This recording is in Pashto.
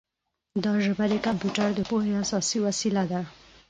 دا ژبه د کمپیوټر د پوهې اساسي وسیله ده.